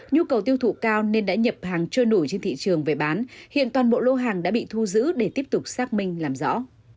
nhu cầu tiêu thụ cao nên đã nhập hàng trôi nổi trên thị trường về bán hiện toàn bộ lô hàng đã bị thu giữ để tiếp tục xác minh làm rõ